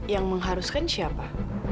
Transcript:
yang mengharuskan siapa